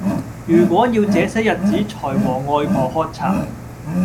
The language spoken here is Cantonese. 如果要這些日子才和外婆喝茶